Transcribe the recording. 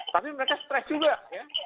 tapi mereka stres juga ya